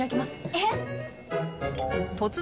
えっ？